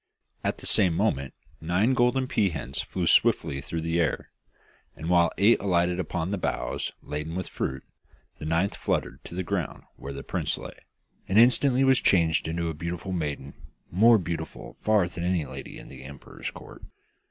At the same moment nine golden pea hens flew swiftly through the air, and while eight alighted upon the boughs laden with fruit, the ninth fluttered to the ground where the prince lay, and instantly was changed into a beautiful maiden, more beautiful far than any lady in the emperor's court.